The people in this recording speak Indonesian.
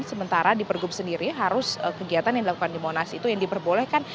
sementara di pergub sendiri harus kegiatan yang dilakukan di monas itu yang diperbolehkan